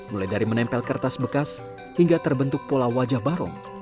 mulai dari menempel kertas bekas hingga terbentuk pola wajah barong